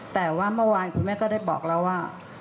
แต่ว่าเมื่อวานคุณแม่ก็ได้บอกแล้วว่า